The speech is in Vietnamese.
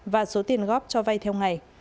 và số tiền góp cho vay theo ngày